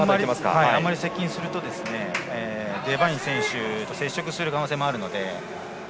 あまり接近するとデバイン選手と接触する可能性もあるので。